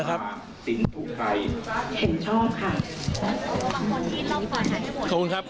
ขอบคุณครับ